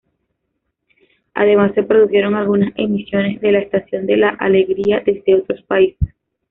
Además se produjeron algunas emisiones de la Estación de la Alegría desde otros países.